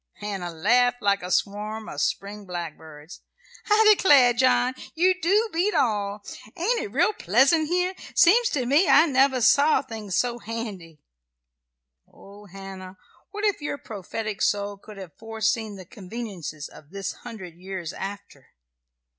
Hannah laughed like a swarm of spring blackbirds. "I declare, John, you do beat all! Ain't it real pleasant here? Seems to me I never saw things so handy." Oh, Hannah, what if your prophetic soul could have foreseen the conveniences of this hundred years after!